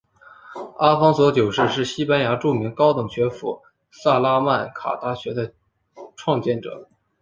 阿方索九世是西班牙著名高等学府萨拉曼卡大学的创建者。